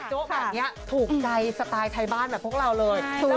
แบบังงี้ถูกใจสไตล์ใจบ้านแบบพวกเราเลยถูก